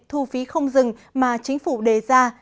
thu phí không dừng mà chính phủ đề ra